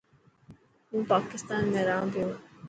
هون پاڪتان ۾ رهنا پيو.